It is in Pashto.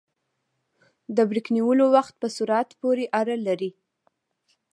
د بریک نیولو وخت په سرعت پورې اړه لري